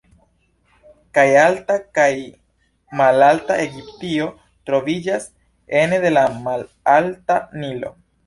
Kaj Alta kaj Malalta Egiptio troviĝas ene de la Malalta Nilo.